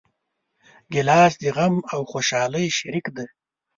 ګیلاس د غم او خوشحالۍ شریک دی.